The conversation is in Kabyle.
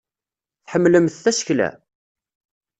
Tḥemmlemt tasekla?